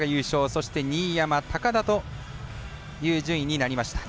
そして新山、高田という順位になりました。